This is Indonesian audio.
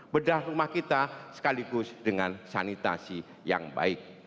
bedah rumah kita sekaligus dengan sanitasi yang baik